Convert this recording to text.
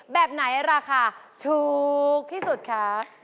แบบไหนราคาถูกที่สุดคะ